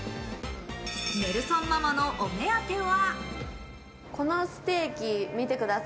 ネルソンママのお目当ては。